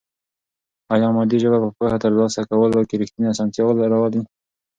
آیا مادي ژبه په پوهه ترلاسه کولو کې رښتینې اسانتیا راولي؟